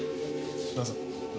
どうぞ。